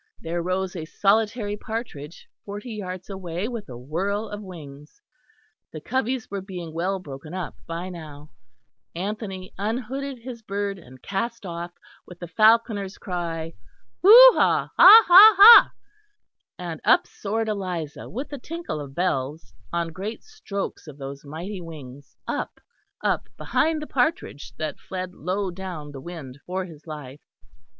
There rose a solitary partridge forty yards away with a whirl of wings; (the coveys were being well broken up by now) Anthony unhooded his bird and "cast off," with the falconer's cry "Hoo ha, ha, ha, ha," and up soared Eliza with the tinkle of bells, on great strokes of those mighty wings, up, up, behind the partridge that fled low down the wind for his life.